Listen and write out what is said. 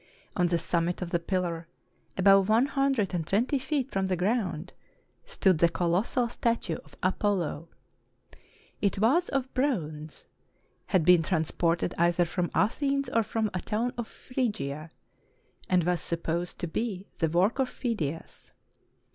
On the summit of the pillar, above one hundred and twenty feet from the ground, stood the colossal statue of Apollo. It was of bronze, had been transported either from Athens or from a town of Phrygia, and was supposed to be the work of Phidias.